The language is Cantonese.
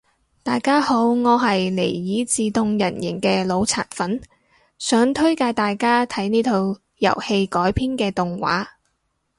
大家好我係尼爾自動人形嘅腦殘粉，想推介大家睇呢套遊戲改編嘅動畫